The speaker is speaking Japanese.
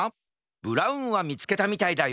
ブラウンはみつけたみたいだよ